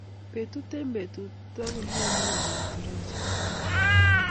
Betut eng betut, toko kole iyani kotoritech Kimutai